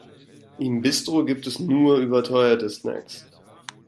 Im Bistro gibt es nur überteuerte Snacks.